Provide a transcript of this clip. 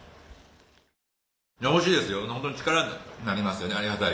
おいしいですよ、本当に力になりますよね、ありがたい。